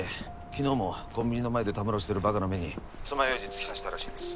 昨日もコンビニの前でたむろしてるバカの目に爪楊枝突き刺したらしいです。